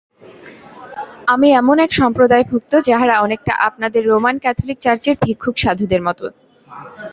আমি এমন এক সম্প্রদায়ভুক্ত, যাহারা অনেকটা আপনাদের রোমান ক্যাথলিক চার্চের ভিক্ষুক সাধুদের মত।